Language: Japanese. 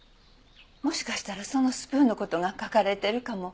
もしかしたらそのスプーンの事が書かれてるかも。